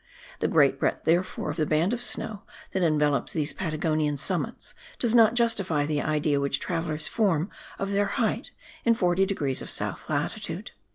The great breadth, therefore, of the band of snow that envelopes these Patagonian summits, does not justify the idea which travellers form of their height in 40 degrees south latitude.